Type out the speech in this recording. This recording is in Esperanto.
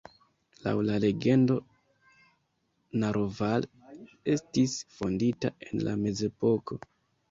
Laŭ la legendo Naroval estis fondita en la mezepoko.